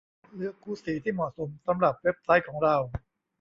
เลือกคู่สีที่เหมาะสมสำหรับเว็บไซต์ของเรา